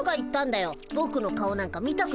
ぼくの顔なんか見たくないって。